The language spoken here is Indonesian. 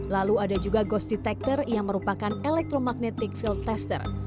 lalu ada juga ghost detector yang merupakan electromagnetic field tester